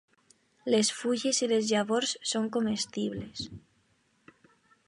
Les fulles i les llavors són comestibles.